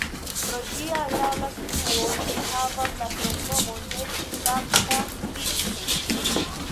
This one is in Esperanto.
Pro ĝia agrabla situo ĝi havas la kromnomon de "Saksa Nico".